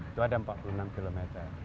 itu ada empat puluh enam km